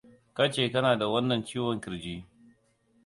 ka ce kanada wannan ciwon kirji